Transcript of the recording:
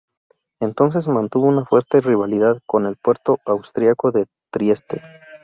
Entonces mantuvo una fuerte rivalidad con el puerto austríaco de Trieste.